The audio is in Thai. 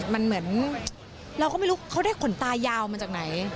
มันเหมือนเราก็ไม่รู้เขาได้ขนตายาวมาจากไหน